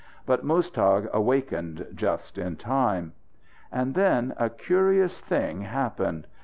But Muztagh wakened just in time. And then a curious thing happened.